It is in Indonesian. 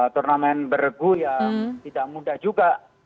turnamen bergu ya tidak mudah juga